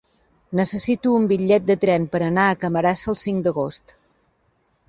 Necessito un bitllet de tren per anar a Camarasa el cinc d'agost.